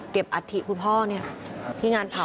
เก็บอาธิคุณพ่อที่งานเผา